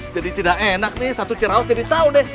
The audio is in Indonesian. jadi tidak enak nih satu ciraus jadi tau deh